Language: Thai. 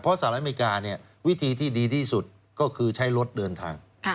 สหรัฐอเมริกาเนี่ยวิธีที่ดีที่สุดก็คือใช้รถเดินทาง